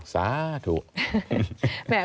สาธุ